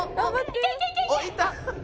「いった！」